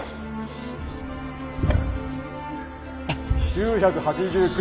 ９８９。